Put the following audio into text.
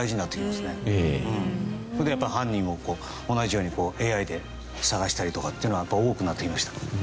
それで犯人をこう同じようにＡＩで捜したりとかっていうのは多くなってきました。